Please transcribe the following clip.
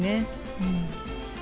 うん。